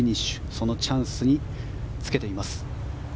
そのチャンスにつけています。